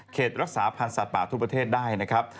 รักษาพันธ์สัตว์ป่าทั่วประเทศได้นะครับ